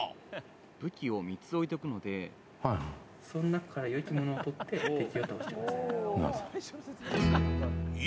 武器を３つ置いとくので、その中からよきものを取って、敵を倒してください。